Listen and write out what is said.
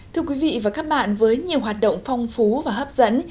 thưa quý vị và các bạn với nhiều hoạt động phong phú và hấp dẫn